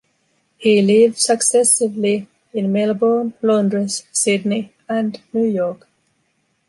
He lived successively in Melbourne, Londres, Sydney and New York.